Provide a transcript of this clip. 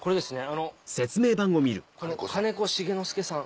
あのこの金子重之助さん。